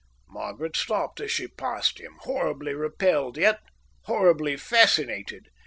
Margaret stopped as she passed him, horribly repelled yet horribly fascinated.